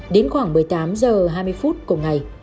đến khoảng một mươi tám h hai mươi phút cùng ngày